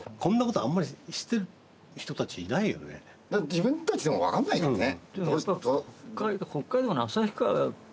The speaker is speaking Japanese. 自分たちでも分かんないからね。